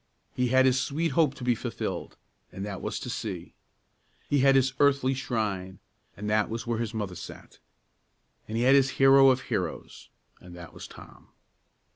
He had his sweet hope to be fulfilled, and that was to see. He had his earthly shrine, and that was where his mother sat. And he had his hero of heroes, and that was Tom.